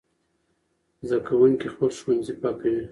زده کوونکي خپل ښوونځي پاکوي.